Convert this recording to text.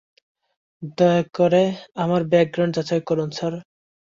দয়া করে, আমার ব্যাকগ্রাউন্ড যাচাই করুন, স্যার।